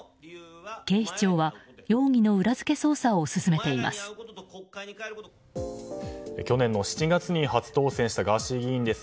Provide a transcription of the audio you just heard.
警視庁は容疑の裏付け捜査を進めています。